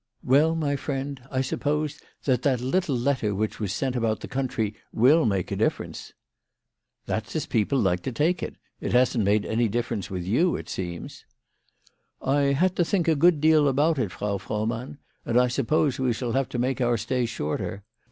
96 WHY FRAU FROHMANN RAISED HER PRICES. " "Well, my friend, I suppose that that little letter which was sent about the country will make a difference." " That's as people like to take it. It hasn't made any difference with you, it seems." "I had to think a good deal about it, Frau Froh mann ; and I suppose we shall have to make our stay shorter.